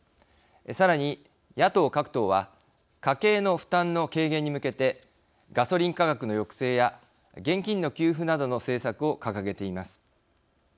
さらに、野党各党は家計の負担の軽減に向けてガソリン価格の抑制や現金の給付などの政策を掲げています。